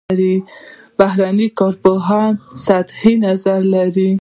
بهرني کارپوهان سطحي نظر لري.